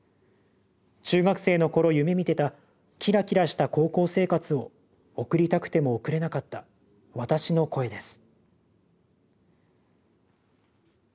中学生の頃夢見てたキラキラした高校生活を送りたくても送れなかった私の声です」。